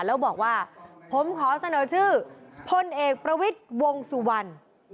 แล้วบอกว่าผมขอเสนอชื่อพลเอกประวิทย์วงสุวรรณ